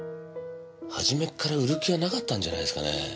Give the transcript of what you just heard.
初めっから売る気はなかったんじゃないですかね。